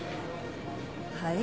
はい？